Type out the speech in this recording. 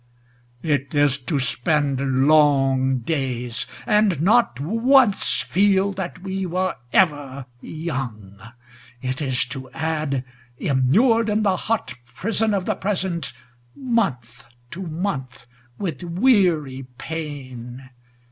It is to spend long days And not once feel that we were ever young; It is to add, immured In the hot prison of the present, month To month with weary pain.